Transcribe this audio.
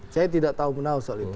saya tidak tahu menau soal itu